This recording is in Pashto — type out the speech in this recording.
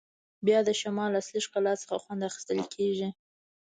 بیا د شمال له اصلي ښکلا څخه خوند اخیستل کیږي